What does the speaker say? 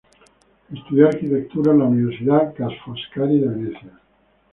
Estudió arquitectura en la Universidad Ca' Foscari de Venecia.